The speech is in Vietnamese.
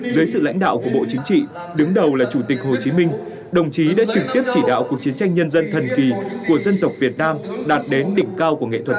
dưới sự lãnh đạo của bộ chính trị đứng đầu là chủ tịch hồ chí minh đồng chí đã trực tiếp chỉ đạo cuộc chiến tranh nhân dân thần kỳ của dân tộc việt nam đạt đến đỉnh cao của nghệ thuật